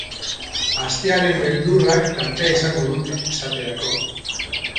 Astearen beldurrak tartea izango dute, esaterako.